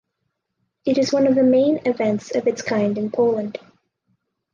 It is one of the main events of its kind in Poland.